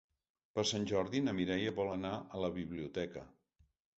Per Sant Jordi na Mireia vol anar a la biblioteca.